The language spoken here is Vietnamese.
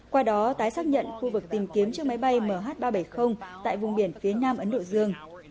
qua đó tái xác nhận khu vực tìm kiếm chiếc máy bay mh ba trăm bảy mươi tại vùng biển phía nam ấn độ dương